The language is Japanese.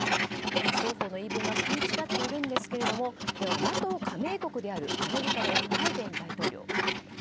双方の言い分が食い違っているんですがでは、ＮＡＴＯ加盟国であるアメリカのバイデン大統領。